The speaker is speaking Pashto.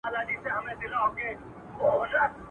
چي زما یادیږي دا قلاوي دا سمسور باغونه.